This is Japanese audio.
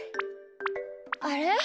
あれ？